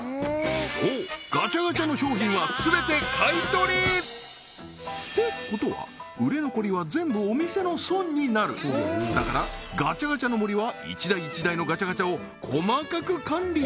そうガチャガチャの商品は全て買い取りってことはだからガチャガチャの森は一台一台のガチャガチャを細かく管理！